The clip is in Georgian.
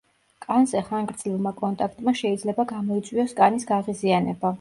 კანზე ხანგრძლივმა კონტაქტმა შეიძლება გამოიწვიოს კანის გაღიზიანება.